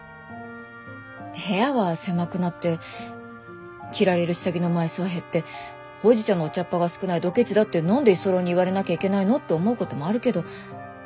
部屋は狭くなって着られる下着の枚数は減ってほうじ茶のお茶っ葉が少ないドケチだって何で居候に言われなきゃいけないのって思うこともあるけど